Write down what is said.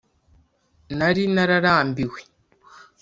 nari nararambiwe